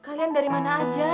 kalian dari mana aja